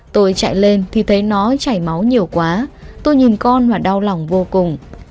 tôi chạy lên thì thấy nó chảy máu nhiều quá tôi nhìn con và đau lòng vô cùng